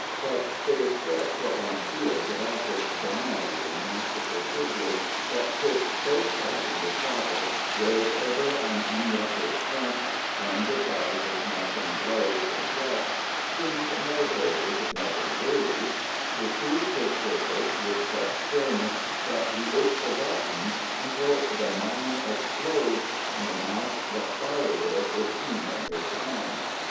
But it expressed what one feels about this doniinating, masterful figure, that sits so tight in the saddle, wears ever an unruffled front, turns aside the smashing blow with a jest, seems never hurried, never worried, pursues his purpose with such stillness that he is forgotten — until the mine explodes and the match that fired it is seen in his hand.